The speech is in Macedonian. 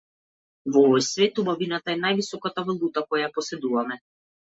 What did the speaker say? Во овој свет убавината е највисоката валута која ја поседуваме.